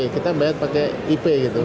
kita bayar pakai ip gitu